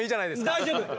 大丈夫。